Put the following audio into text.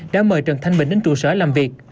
đã mời trần thanh bình đến trụ sở làm việc